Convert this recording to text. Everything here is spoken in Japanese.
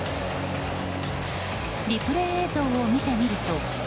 リプレー映像を見てみると。